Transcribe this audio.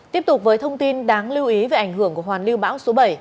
tiếp tục với thông tin đáng lưu ý về ảnh hưởng của hoàn lưu bão số bảy